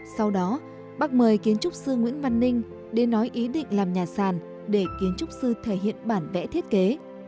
sau đó bác mời kiến trúc sư nguyễn văn ninh đến nói ý định làm nhà sàn để kiến trúc sư thể hiện bản vẽ thiết kế